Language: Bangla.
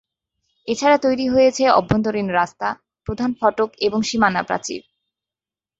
এছাড়া তৈরি হয়েছে অভ্যন্তরীণ রাস্তা, প্রধান ফটক এবং সীমানা প্রাচীর।